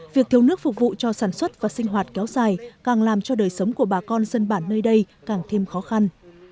việc thiếu nước phục vụ cho sản xuất và sinh hoạt kéo dài càng làm cho đời sống của bà con dân bản nơi đây càng thêm khó khăn